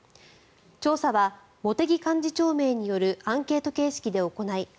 調査は茂木幹事長名によるアンケート形式で行い